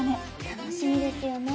楽しみですよね。